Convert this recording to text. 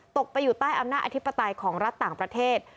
ไปอยู่ใต้อำนาจอธิปไตยของรัฐต่างประเทศ